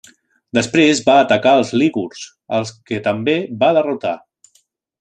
Després va atacar els lígurs, als que també va derrotar.